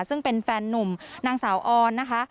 ซึ่งเป็นแฟนนุ่มนางสาวออนนะคะ